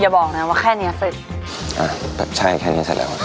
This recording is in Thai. บอกนะว่าแค่เนี้ยเสร็จอ่าใช่แค่เนี้ยเสร็จแล้ว